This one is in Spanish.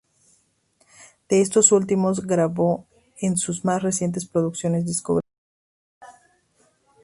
De estos últimos grabó en sus más recientes producciones discográficas.